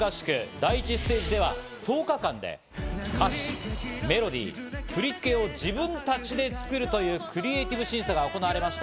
第１ステージでは１０日間で歌詞、メロディー、振り付けを自分たちで作るというクリエイティブ審査が行われました。